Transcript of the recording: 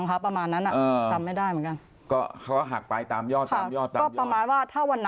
ครับถิ่น